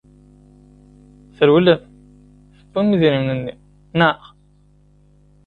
Trewlem, tewwim idrimen-nni, naɣ?